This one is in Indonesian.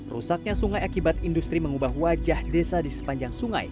rusaknya sungai akibat industri mengubah wajah desa di sepanjang sungai